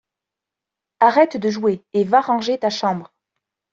Arrête de jouer et va ranger ta chambre!